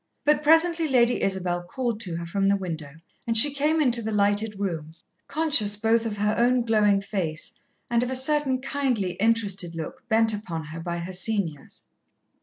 But presently Lady Isabel called to her from the window, and she came into the lighted room, conscious both of her own glowing face and of a certain kindly, interested look bent upon her by her seniors.